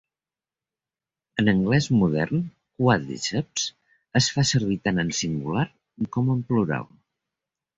En anglès modern, "quàdriceps" es fa servir tant en singular com en plural.